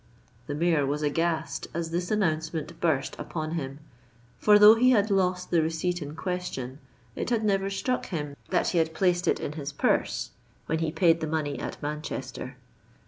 "—The Mayor was aghast as this announcement burst upon him; for, though he had lost the receipt in question, it had never struck him that he had placed it in his purse when he paid the money at Manchester.